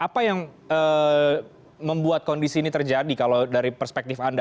apa yang membuat kondisi ini terjadi kalau dari perspektif anda